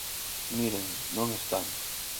Miren, non están.